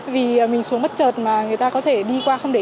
vì mình xuống bất chợt mà người ta có thể đi qua không để ý ạ